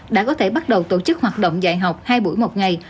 đã có thể bắt đầu tổ chức hoạt động dạy học hai buổi một ngày